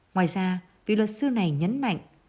ngoài ra vi lợt sư này nhấn mạnh